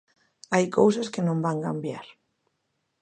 Hai cousas que non van cambiar.